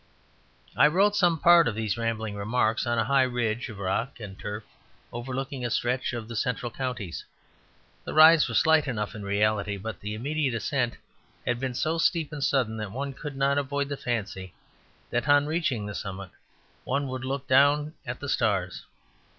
I wrote some part of these rambling remarks on a high ridge of rock and turf overlooking a stretch of the central counties; the rise was slight enough in reality, but the immediate ascent had been so steep and sudden that one could not avoid the fancy that on reaching the summit one would look down at the stars.